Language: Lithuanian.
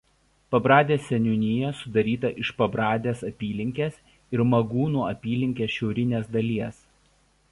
Pabradės seniūnija sudaryta iš Pabradės apylinkės ir Magūnų apylinkės šiaurinės dalies.